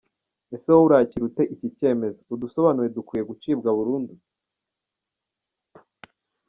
Ese wowe urakira ute iki cyemezo? Udusobanuye dukwiye gucibwa burundu? .